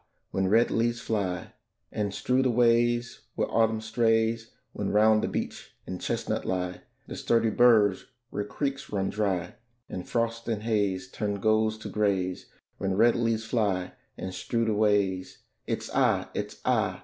when red leaves fly, And strew the ways where Autumn strays; When round the beech and chestnut lie The sturdy burrs where creeks run dry, And frosts and haze turn golds to grays: When red leaves fly and strew the ways, It's ay, it's ay!